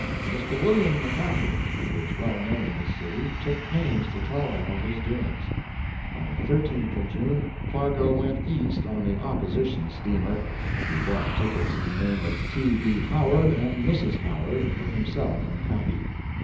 Mr. William McCaffry, who is well known in this city, took pains to tell them of his doings. On the 13th of June Fargo went East on the opposition steamer; he bought tickets in the name of T.B. Howard, and Mrs. Howard, for himself and Hattie.